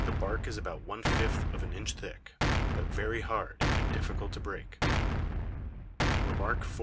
The Bark is about one Fifth of an Inch thick, but very hard, and difficult to break. REMARK IV.